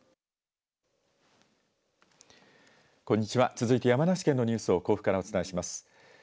続いて山梨県のニュースを甲府からお伝えします。